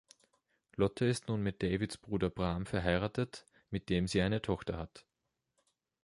Lotte ist nun mit Davids Bruder Bram verheiratet, mit dem sie eine Tochter hat.